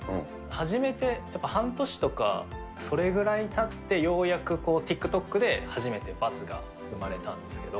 始めてやっぱ半年とか、それぐらいたって、ようやくＴｉｋＴｏｋで初めてバズが生まれたんですけど。